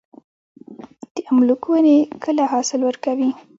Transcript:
د املوک ونې کله حاصل ورکوي؟